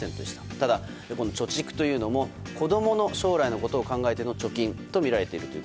ただ、貯蓄というのも子供の将来を考えての貯金とみられています。